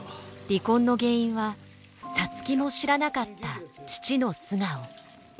離婚の原因は皐月も知らなかった父の素顔。